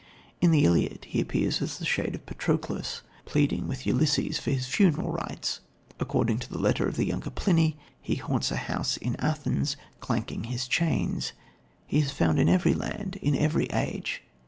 In the Iliad he appears as the shade of Patroclus, pleading with Achilles for his funeral rites. According to a letter of the younger Pliny, he haunts a house in Athens, clanking his chains. He is found in every land, in every age.